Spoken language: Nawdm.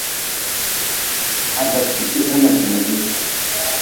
Adebte kwihre n teliblite.